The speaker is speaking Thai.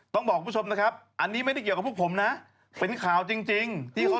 ต้องบอกคุณผู้ชมนะครับอันนี้ไม่ได้เกี่ยวกับพวกผมนะเป็นข่าวจริงที่เขา